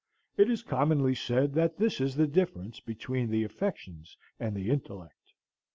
It is commonly said that this is the difference between the affections and the intellect.